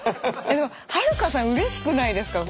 はるかさんうれしくないですか？